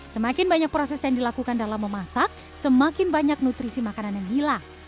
semakin banyak proses yang dilakukan dalam memasak semakin banyak nutrisi makanan yang hilang